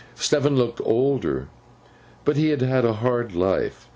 Stephen looked older, but he had had a hard life.